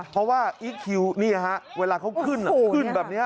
เพราะว่าอีคคิวนี่ฮะเวลาเขาขึ้นขึ้นแบบนี้